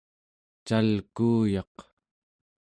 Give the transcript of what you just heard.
cal'kuuyaq